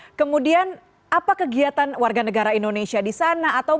nah kemudian apa kegiatan warga negara indonesia di sana